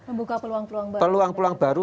membuka peluang peluang baru